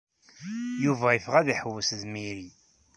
Yuba yeffeɣ ad iḥewwes d Marry.